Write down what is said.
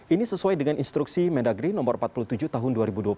ini sesuai dengan instruksi mendagri no empat puluh tujuh tahun dua ribu dua puluh satu